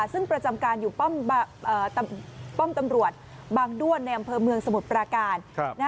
ซึ่งประจำการอยู่ป้อมตำรวจบางด้วนในอำเภอเมืองสมุทรปราการ